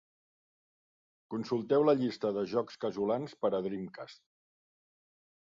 Consulteu la llista de jocs casolans per a Dreamcast.